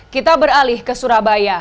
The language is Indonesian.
kita beralih ke surabaya